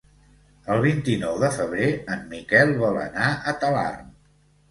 El vint-i-nou de febrer en Miquel vol anar a Talarn.